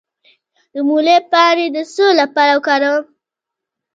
د مولی پاڼې د څه لپاره وکاروم؟